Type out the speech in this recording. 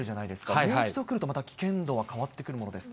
もう一度来ると、危険度はまた変わってくるんですか。